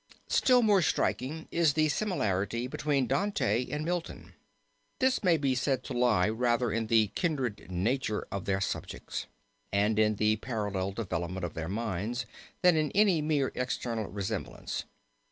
"Still more striking is the similarity between Dante and Milton. This may be said to lie rather in the kindred nature of their subjects, and in the parallel development of their minds, than in any mere external resemblance.